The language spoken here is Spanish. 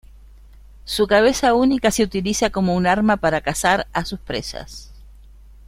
Su cabeza única se utiliza como una arma para cazar a sus presas.